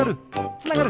つながる！